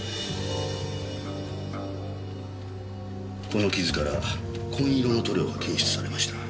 この傷から紺色の塗料が検出されました。